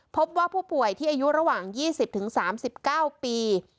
พบว่าผู้ป่วยที่อายุระหว่าง๒๐๓๙ปี